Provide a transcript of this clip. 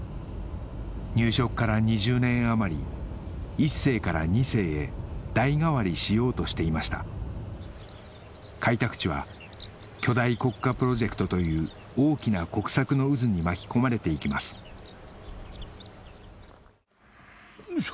入植から２０年余り一世から二世へ代替わりしようとしていました開拓地は巨大国家プロジェクトという大きな国策の渦に巻き込まれていきますよいしょ。